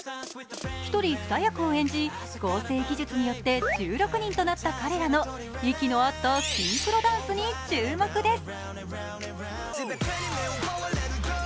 １人２役を演じ、合成技術によって１６人となった彼らの息の合ったシンクロダンスに注目です。